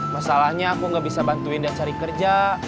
masalahnya aku nggak bisa bantuin dan cari kerja